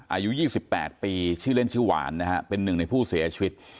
อายุ๒๘ปีชื่อเล่นชื่อหวานนะฮะเป็นหนึ่งในผู้เสียชีวิต